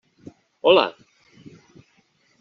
Hola!